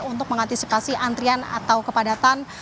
untuk mengantisipasi antrian atau kepadatan